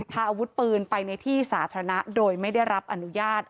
พาอาวุธปืนไปในที่สาธารณะโดยไม่ได้รับอนุญาต